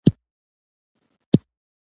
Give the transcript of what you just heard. ټولې دښتې ټول سړي ټولې ښځې.